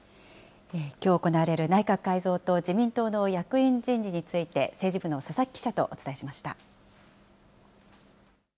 きょう行われる内閣改造と自民党の役員人事について、政治部の佐々木記者とお伝えしました。